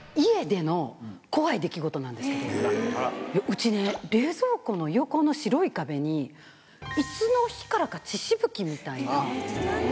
家ね冷蔵庫の横の白い壁にいつの日からか血しぶきみたいな。